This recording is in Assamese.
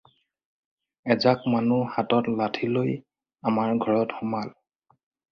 এজাক মানুহ হাতত লাঠী লৈ আমাৰ ঘৰত সোমাল।